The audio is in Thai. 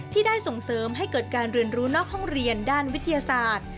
ที่ได้ส่งเสริมให้เกิดการเรียนรู้นอกห้องเรียนด้านวิทยาศาสตร์